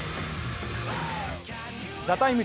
「ＴＨＥＴＩＭＥ，」